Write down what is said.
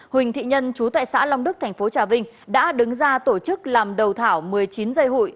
hình thị nhân trú tại xã long đức tp trà vinh đã đứng ra tổ chức làm đầu thảo một mươi chín dây hội